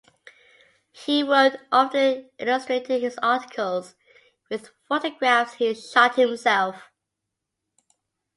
He would often illustrated his articles with photographs he shot himself.